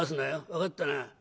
分かったな？」。